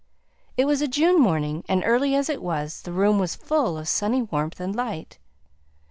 It was a June morning, and early as it was, the room was full of sunny warmth and light.